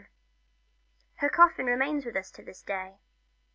Her coffin remains with us to this day.